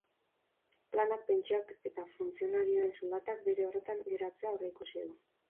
Planak pentsioak eta funtzionarioen soldatak bere horretan geratzea aurreikusi du.